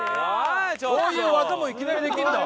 こういう技もいきなりできるんだ。